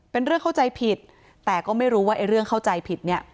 เข้าใจผิดแต่ก็ไม่รู้ว่าไอ้เรื่องเข้าใจผิดเนี่ย